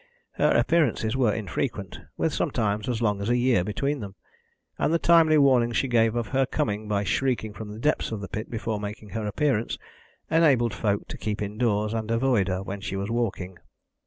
Her appearances were infrequent, with sometimes as long as a year between them, and the timely warning she gave of her coming by shrieking from the depths of the pit before making her appearance, enabled folk to keep indoors and avoid her when she was walking.